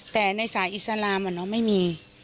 แต่ในสายอิสลามไม่มี